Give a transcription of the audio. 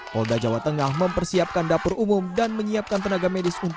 polda jawa tengah mempersiapkan dapur umum dan menyiapkan tenaga medis